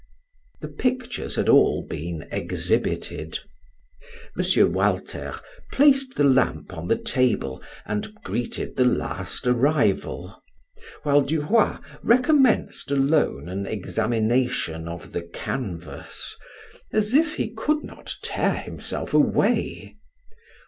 The pictures had all been exhibited. M. Walter placed the lamp on the table and greeted the last arrival, while Duroy recommenced alone an examination of the canvas, as if he could not tear himself away.